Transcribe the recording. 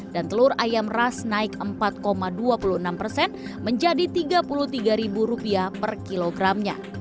dan telur ayam ras naik empat dua puluh enam menjadi rp tiga puluh tiga per kilogramnya